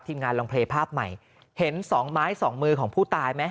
งานลองเพลย์ภาพใหม่เห็นสองไม้สองมือของผู้ตายไหม